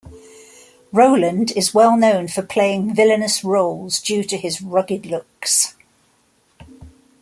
Rowland is well known for playing villainous roles due to his rugged looks.